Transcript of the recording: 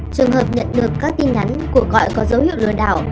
trường hợp nhận được các tin nhắn của gọi có dấu hiệu lừa đảo